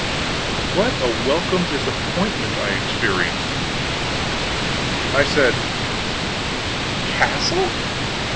What a welcome disappointment I experienced! I said: "Castle?